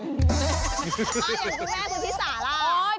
มันมีพูดแม่คุณธิสารา